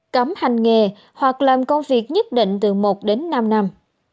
cấm hành nghề hoặc làm công việc nhất định từ một đến năm năm